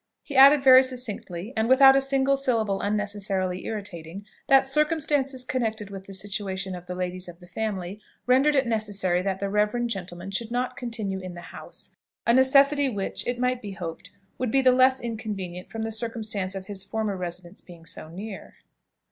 He added very succinctly, and without a single syllable unnecessarily irritating, that circumstances connected with the situation of the ladies of the family rendered it necessary that the reverend gentleman should not continue in the house; a necessity which, it might be hoped, would be the less inconvenient from the circumstance of his former residence being so near.